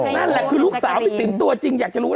นั่นแหละคือลูกสาวพี่ติ๋มตัวจริงอยากจะรู้